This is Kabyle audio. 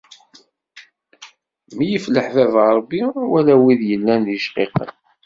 Menyif leḥbab a Rebbi, wala wid yellan d icqiqen.